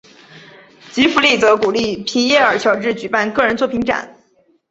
吉福利则鼓励皮耶尔乔治举办个人作品展。